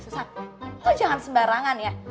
susat lu jangan sembarangan ya